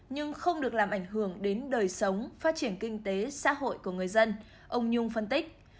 nhưng không được làm ảnh hưởng đến đời sống phát triển kinh tế xã hội của người dân ông nhung phân tích